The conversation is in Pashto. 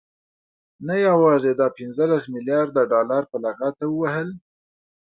نه يوازې دا پنځلس مليارده ډالر په لغته ووهل،